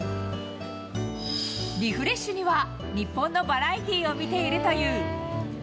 リフレッシュには日本のバラエティを見ているという。